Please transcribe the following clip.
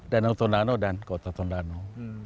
danau tondano dan kota tondano